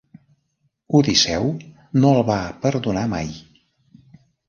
Odisseu no el va perdonar mai.